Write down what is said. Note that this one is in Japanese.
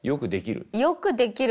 よくできる。